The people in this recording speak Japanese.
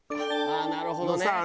ああなるほどね。